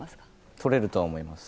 とれるとは思います。